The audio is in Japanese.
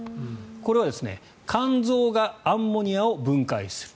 これは肝臓がアンモニアを分解する。